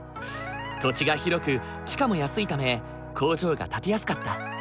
土地が広く地価も安いため工場が建てやすかった。